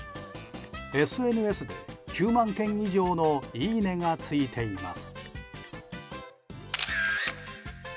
ＳＮＳで９万件以上のいいねがついています。